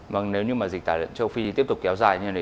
vâng nếu như mà dịch tả lợn châu phi tiếp tục kéo dài như thế này